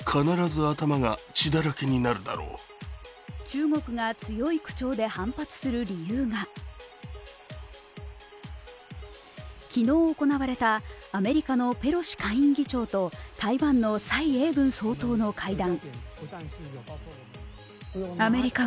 中国が強い口調で反発する理由が昨日行われたアメリカのペロシ下院議長と台湾の蔡英文総統の会談。